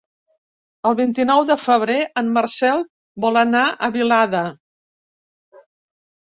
El vint-i-nou de febrer en Marcel vol anar a Vilada.